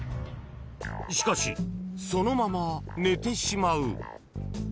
［しかしそのまま寝てしまう］